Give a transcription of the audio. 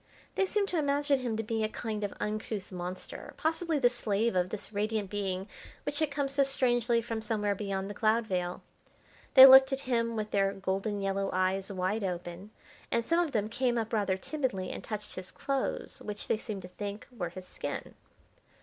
They seemed to imagine him to be a kind of uncouth monster, possibly the slave of this radiant being which had come so strangely from somewhere beyond the cloud veil. They looked at him with their golden yellow eyes wide open, and some of them came up rather timidly and touched his clothes, which they seemed to think were his skin.